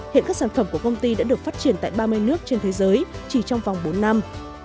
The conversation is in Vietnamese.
hiện các sản phẩm của công ty đã được phát triển tại ba mươi nước trên thế giới chỉ trong vòng bốn năm